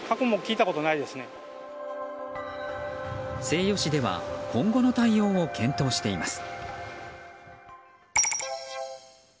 西予市では今後の対応を検討しています。